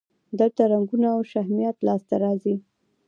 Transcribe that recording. دلته رنګونه او شهمیات لاسته راځي.